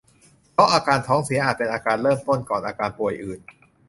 เพราะอาการท้องเสียอาจเป็นอาการเริ่มต้นก่อนอาการป่วยอื่น